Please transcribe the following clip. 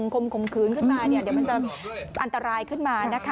คมข่มขืนขึ้นมาเดี๋ยวมันจะอันตรายขึ้นมานะคะ